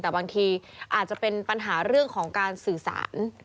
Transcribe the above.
แต่บางทีอาจจะเป็นปัญหาเรื่องของการสื่อสาร